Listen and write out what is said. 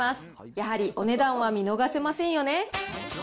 やはりお値段は見逃せませんよね。